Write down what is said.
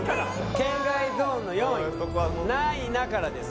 圏外ゾーンの４位「ないな」からです